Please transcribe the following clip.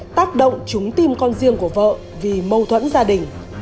tác động chúng tìm con riêng của vợ vì mâu thuẫn gia đình